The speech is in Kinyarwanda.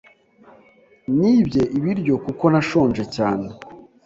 Nibye ibiryo kuko nashonje cyane.